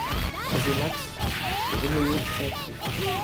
Troisième axe : le renouveau créatif.